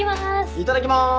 いただきます！